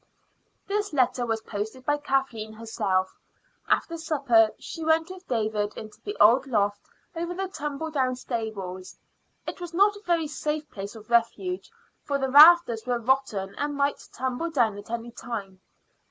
This letter was posted by Kathleen herself. After supper she went with David into the old loft over the tumble down stables. It was not a very safe place of refuge, for the rafters were rotten and might tumble down at any time.